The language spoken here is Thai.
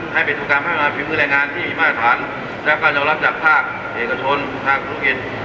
ให้เป็นตรงการพัฒนาภิมธ์มือแรงงานที่มีมาตรฐานและการยอมรับจากภาคเอกชนภาคธุรกิจ